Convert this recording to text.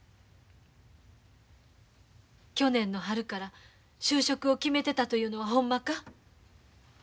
去年の春から就職を決めてたというのはほんまか？